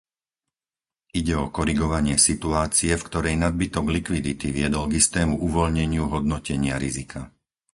Ide o korigovanie situácie, v ktorej nadbytok likvidity viedol k istému uvoľneniu hodnotenia rizika.